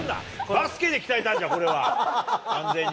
バスケで鍛えたんだ、これは、完全に。